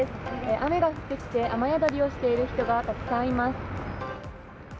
雨が降ってきて、雨宿りをしている人がたくさんいます。